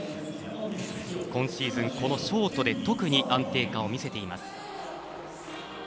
今シーズン、ショートで特に安定感を見せています。